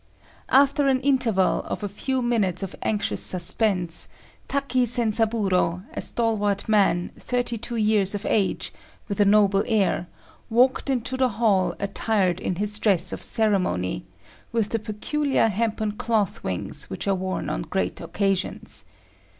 After an interval of a few minutes of anxious suspense, Taki Zenzaburô, a stalwart man, thirty two years of age, with a noble air, walked into the hall attired in his dress of ceremony, with the peculiar hempen cloth wings which are worn on great occasions.